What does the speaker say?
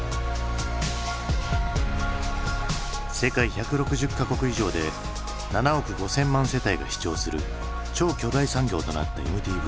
世界１６０か国以上で７億５，０００万世帯が視聴する超巨大産業となったＭＴＶ。